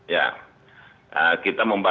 ya kita memperbaiki